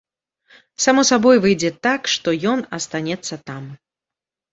Само сабой выйдзе так, што ён астанецца там.